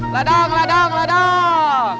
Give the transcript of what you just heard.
ladang ladang ladang